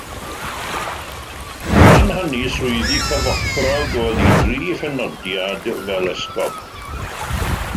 Gan hynny swyddi cyfochrog oedd ei dri phenodiad fel esgob.